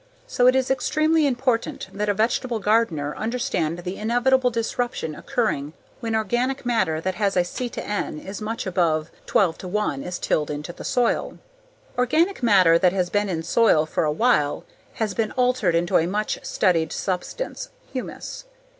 So it is extremely important that a vegetable gardener understand the inevitable disruption occurring when organic matter that has a C/N is much above 12:1 is tilled into soil. Organic matter that has been in soil for a while has been altered into a much studied substance, humus.